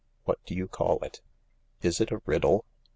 What do you call it ?"" Is it a riddle